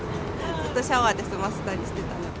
ずっとシャワーで済ませたりしてたので。